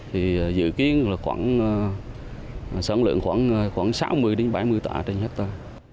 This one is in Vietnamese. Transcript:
thì dự kiến là khoảng sản lượng khoảng sáu mươi bảy mươi tạ trên hết tà